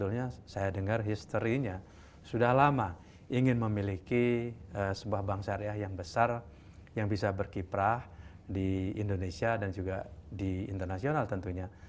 sebetulnya saya dengar history nya sudah lama ingin memiliki sebuah bank syariah yang besar yang bisa berkiprah di indonesia dan juga di internasional tentunya